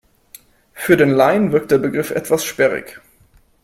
Für den Laien wirkt der Begriff etwas sperrig.